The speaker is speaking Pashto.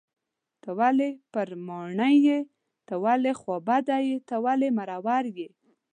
ته ولې پر ماڼي یې .ته ولې خوابدی یې .ته ولې مرور یې